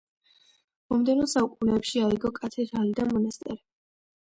მომდევნო საუკუნეებში აიგო კათედრალი და მონასტერი.